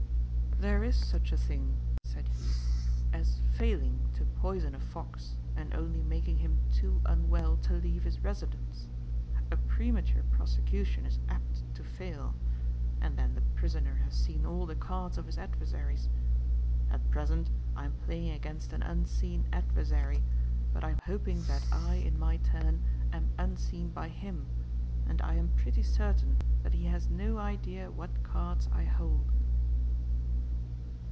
"There is such a thing," said he, "as failing to poison a fox and only making him too unwell to leave his residence. A premature prosecution is apt to fail; and then the prisoner has seen all the cards of his adversaries. At present I am playing against an unseen adversary, but I am hoping that I, in my turn, am unseen by him, and I am pretty certain that he has no idea what cards I hold."